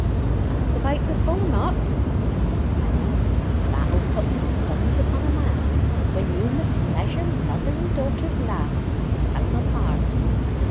"That's about the form o't," said Mr. Penny. "That'll put the stuns upon a man, when you must measure mother and daughter's lasts to tell 'em apart."